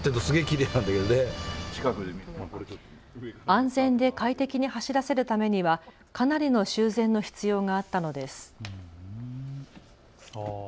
安全で快適に走らせるためにはかなりの修繕の必要があったのです。